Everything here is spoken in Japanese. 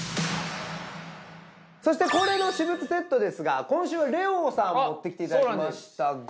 そして恒例の私物セットですが今週は玲於さん持ってきていただきましたが。